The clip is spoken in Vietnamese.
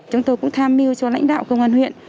chúng tôi cũng tham mưu cho lãnh đạo công an huyện